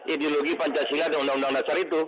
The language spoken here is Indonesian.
ideologi pancasila dan undang undang dasar itu